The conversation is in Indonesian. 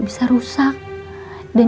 dan aku pergi